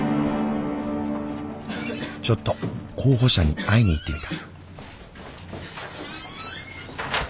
ちょっと候補者に会いに行ってみた。